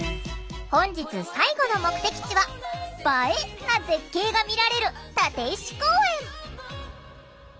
本日最後の目的地は「映え」な絶景が見られる立石公園！